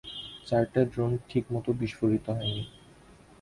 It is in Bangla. চারটা ড্রোন ঠিকমত বিস্ফোরিত হয়নি!